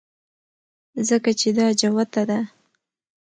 ځکه چې دا جوته ده